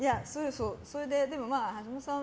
それで、橋下さん